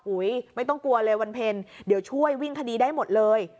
ไม่ต้องกลัวเลยวันเพ็ญเดี๋ยวช่วยวิ่งคดีได้หมดเลย